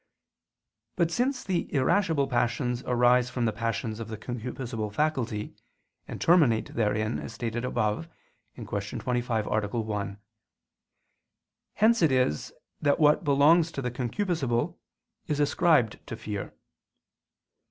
But since the irascible passions arise from the passions of the concupiscible faculty, and terminate therein, as stated above (Q. 25, A. 1); hence it is that what belongs to the concupiscible is ascribed to fear.